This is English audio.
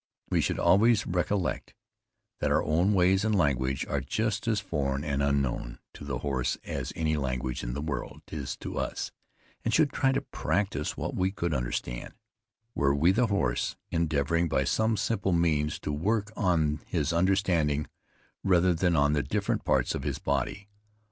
We should always recollect that our ways and language are just as foreign and unknown to the horse as any language in the world is to us, and should try to practice what we could understand, were we the horse, endeavoring by some simple means to work on his understanding rather than on the different parts of his body.